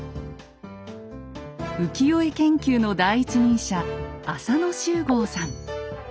浮世絵研究の第一人者浅野秀剛さん。